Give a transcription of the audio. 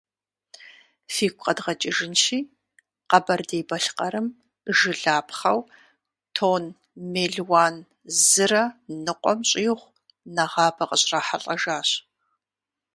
Фигу къэдгъэкӏыжынщи, Къэбэрдей-Балъкъэрым жылапхъэу тонн мелуан зырэ ныкъуэм щӏигъу нэгъабэ къыщрахьэлӏэжащ.